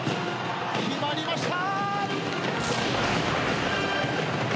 決まりました！